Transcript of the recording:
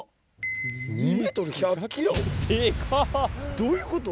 どういうこと？